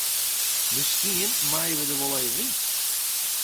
Miskien meie we der wol even yn.